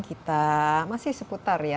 kita masih seputar ya